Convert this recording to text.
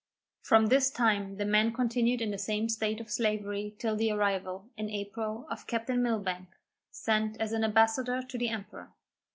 From this time the men continued in the same state of slavery till the arrival, in April, of Captain Milbank, sent as an ambassador to the emperor.